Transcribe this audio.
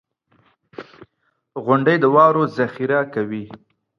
• غونډۍ د واورو ذخېره کوي.